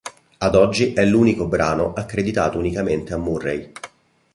Ad oggi è l'unico brano accreditato unicamente a Murray.